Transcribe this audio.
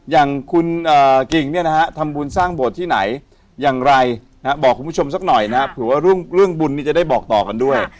อย่างคุณกิ่งเนี่ยนะฮะทำบุญสร้างโบสถ์ที่ไหนอย่างไรบอกคุณผู้ชมสักหน่อยนะเผื่อว่าเรื่องบุญนี้จะได้บอกต่อกันด้วย